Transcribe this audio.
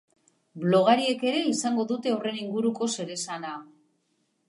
Blogariek ere izango dute horren inguruko zeresana.